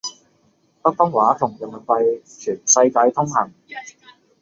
北方話同人民幣全世界通行